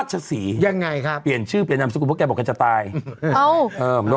ไหนนางเห็นปุ๊บเนี่ย